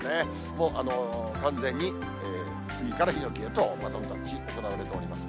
もう完全にスギからヒノキへと、バトンタッチ行われております。